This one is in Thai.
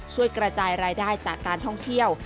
ช่วยกระจายรายได้จากการท่องเที่ยว